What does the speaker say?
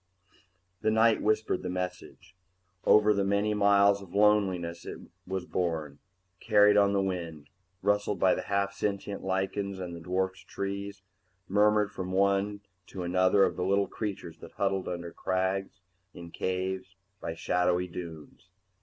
The night whispered the message. Over the many miles of loneliness it was borne, carried on the wind, rustled by the half sentient lichens and the dwarfed trees, murmured from one to another of the little creatures that huddled under crags, in caves, by shadowy dunes.